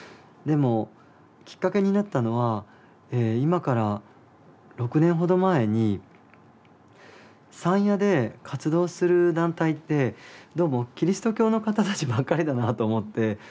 でもきっかけになったのは今から６年ほど前に山谷で活動する団体ってどうもキリスト教の方たちばっかりだなと思って。